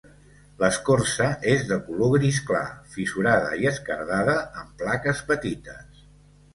L'escorça és de color gris clar, fissurada i esquerdada en plaques petites.